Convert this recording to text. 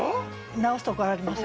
直すところありません。